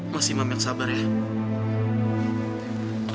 mas imam yang sabar ya